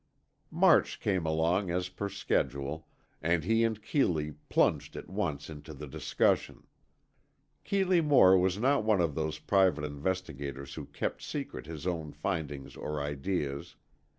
March came along as per schedule, and he and Keeley plunged at once into the discussion. Keeley Moore was not one of those private investigators who kept secret his own findings or ideas.